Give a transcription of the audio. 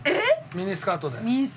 ミニスカートで。